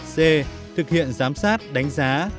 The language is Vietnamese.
c thực hiện giám sát đánh giá